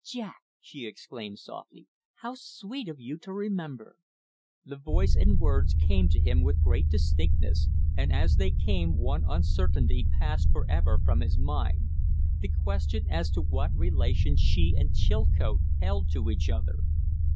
"Jack!" she exclaimed, softly. "How sweet of you to remember!" The voice and words came to him with great distinctness, and as they came one uncertainty passed forever from his mind the question as to what relation she and Chilcote held to each other.